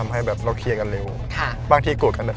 ไม่ชอบกำกันเลยหรอกครับ